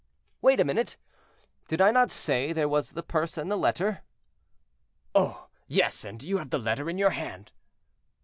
"Wait a minute! did I not say there was the purse and the letter?" "Oh! yes, and you have the letter in your hand."